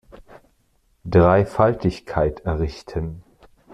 Dreifaltigkeit errichten.